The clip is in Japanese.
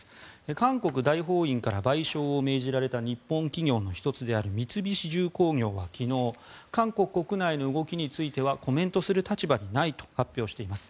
韓国大法院から賠償を命じられた日本企業の１つである三菱重工業は昨日韓国国内の動きについてはコメントする立場にないと発表しています。